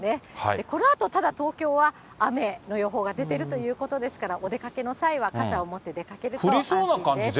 このあと、ただ東京は雨の予報が出ているということですから、お出かけの際は傘を持って出かけると安心です。